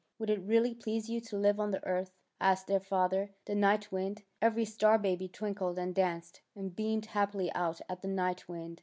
*^ Would it really please you to live on the earth? " asked their father, the Night Wind. Every star baby twinkled and danced and beamed happily out at the Night Wind.